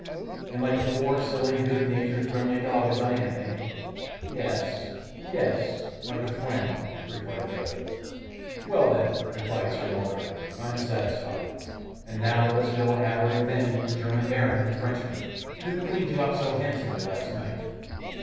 'And like a poor, silly, good natured, friendly dog as I am, eh?' 'Ye es, ye es; like a friend,' replied the other. 'Well then,' replied Sir Mulberry, 'I'm satisfied. And now let's go and have our revenge on the German baron and the Frenchman, who cleaned you out so handsomely last night.